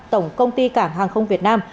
tổng công ty cảng hàng không việt nam